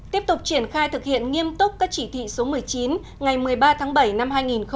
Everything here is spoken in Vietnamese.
tiếp tục triển khai thực hiện nghiêm túc các chỉ thị số một mươi chín ngày một mươi ba tháng bảy năm hai nghìn một mươi chín